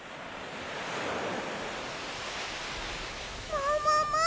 ももも！？